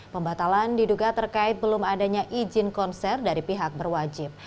pembatalan diduga terkait belum adanya izin konser dari pihak berwajib